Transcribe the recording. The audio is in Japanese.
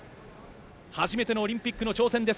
初めてのオリンピックの挑戦です。